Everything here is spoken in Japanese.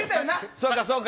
そうか、そうか。